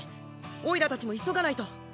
おいらたちも急がないと。